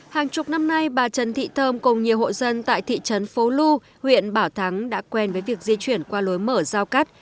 hàng chục năm nay bà trần thị thơm cùng nhiều hộ dân tại thị trấn phố lu huyện bảo thắng đã quen với việc di chuyển qua lối mở giao cắt